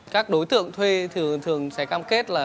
các đối tượng thuê thường sẽ cam kết là